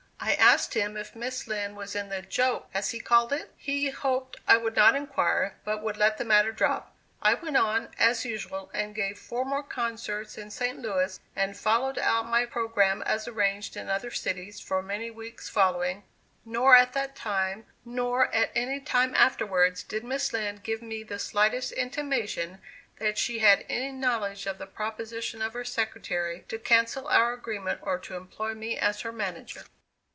I asked him if Miss Lind was in the "joke," as he called it? He hoped I would not inquire, but would let the matter drop. I went on, as usual, and gave four more concerts in St. Louis, and followed out my programme as arranged in other cities for many weeks following; nor at that time, nor at any time afterwards, did Miss Lind give me the slightest intimation that she had any knowledge of the proposition of her secretary to cancel our agreement or to employ me as her manager.